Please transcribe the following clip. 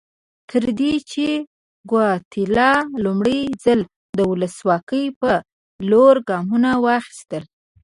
تر دې چې ګواتیلا لومړی ځل د ولسواکۍ په لور ګامونه واخیستل.